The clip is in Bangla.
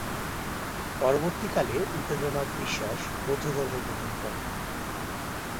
পরবর্তীকালে উপেন্দ্রনাথ বিশ্বাস বৌদ্ধ ধর্ম গ্রহণ করেন।